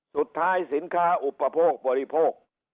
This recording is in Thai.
สุดท้ายสินค้าอุปโภคบริโภค